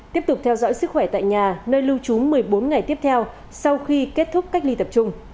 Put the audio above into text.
tiếp tục theo dõi sức khỏe tại nhà nơi lưu trú một mươi bốn ngày tiếp theo sau khi kết thúc cách ly tập trung